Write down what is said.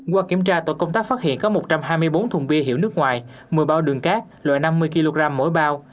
qua kiểm tra tội công tác phát hiện có một trăm hai mươi bốn thùng bia hiệu nước ngoài một mươi bao đường cát loại năm mươi kg mỗi bao